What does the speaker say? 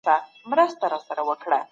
مسلمانانو د ذمیانو حقونه خوندي کړل.